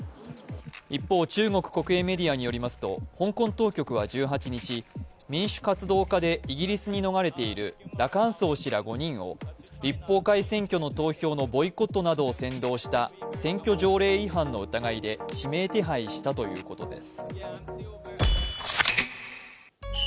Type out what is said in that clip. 一方、中国国営メディアによりますと、香港当局は１８日、民主活動家でイギリスに逃れている羅冠聡氏ら５人を立法会選挙の投票のボイコットなどを先導した選挙条例違反の疑いで指名手配したということです。